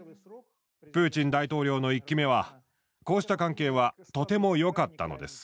プーチン大統領の１期目はこうした関係はとても良かったのです。